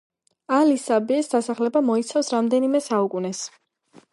ალი-საბიეს დასახლება მოიცავს რამდენიმე საუკუნეს.